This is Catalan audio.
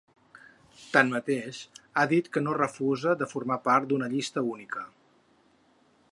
Tanmateix, ha dit que no refusa de formar part d’una llista única.